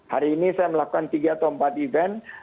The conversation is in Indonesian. hari ini saya melakukan tiga atau empat event